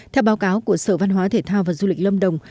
theo báo cáo của sở văn hóa thể thao và du lịch lâm đồng